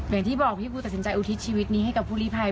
อย่างที่บอกพี่ภูตัดสินใจอุทิศชีวิตนี้ให้กับผู้ลิภัย